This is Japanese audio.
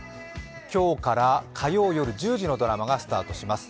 今日から、火曜夜１０時のドラマがスタートします。